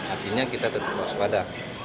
artinya kita tetap waspada